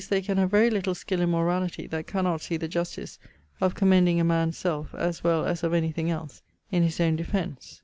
], they can have very little skill in morality, that cannot see the justice of commending a man's selfe, as well as of any thing else, in his own defence.'